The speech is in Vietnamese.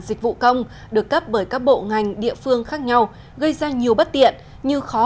dịch vụ công được cấp bởi các bộ ngành địa phương khác nhau gây ra nhiều bất tiện như khó